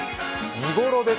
「見頃です！